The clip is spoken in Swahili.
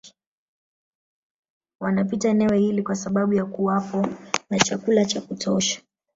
Wanapita eneo hili kwa sababu ya kuwapo na chakula cha kutosha